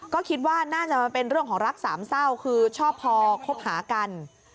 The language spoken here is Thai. ก็คิดว่าน่าจะมันเป็นเรื่องของรักสามเศร้าคือชอบพอคบหากัน